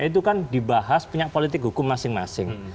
itu kan dibahas punya politik hukum masing masing